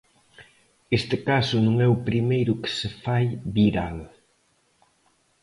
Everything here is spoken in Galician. Este caso no é primeiro que se fai viral.